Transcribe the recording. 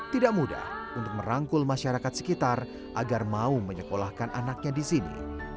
tidak mudah untuk merangkul masyarakat sekitar agar mau menyekolahkan anaknya di sini